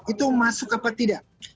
itu masuk apa tidak